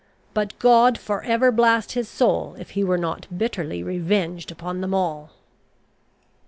But God for ever blast his soul, if he were not bitterly revenged upon them all!